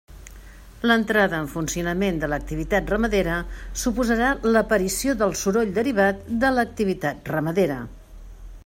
L'entrada en funcionament de l'activitat ramadera suposarà l'aparició del soroll derivat de l'activitat ramadera.